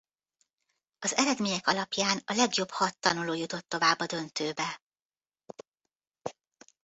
Az eredmények alapján a legjobb hat tanuló jutott tovább a döntőbe.